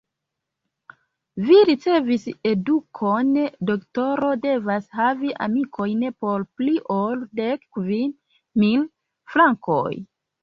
Vi ricevis edukon: doktoro devas havi amikojn por pli ol dek kvin mil frankoj.